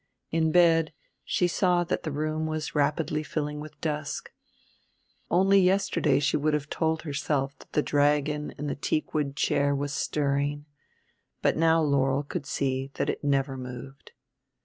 In bed she saw that the room was rapidly filling with dusk. Only yesterday she would have told herself that the dragon in the teakwood chair was stirring; but now Laurel could see that it never moved.